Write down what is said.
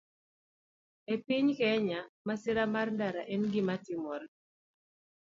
E piny Kenya, masira mar ndara en gima timore